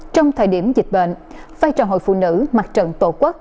trong thời điểm dịch bệnh vai trò hội phụ nữ mặt trận tổ quốc